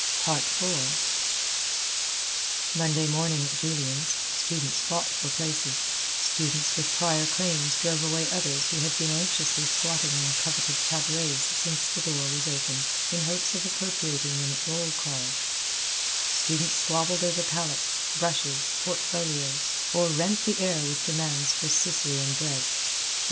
IV Monday morning at Julian's, students fought for places; students with prior claims drove away others who had been anxiously squatting on coveted tabourets since the door was opened in hopes of appropriating them at roll call; students squabbled over palettes, brushes, portfolios, or rent the air with demands for Ciceri and bread.